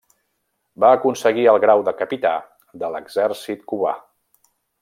Va aconseguir el grau de Capità de l'exèrcit cubà.